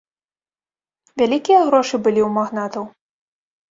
Вялікія грошы былі ў магнатаў.